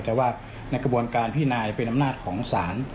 แต่ว่าในกระบวนการพินายเป็นอำนาจของศาล